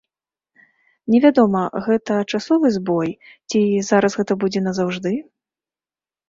Невядома, гэта часовы збой ці зараз гэта будзе назаўжды.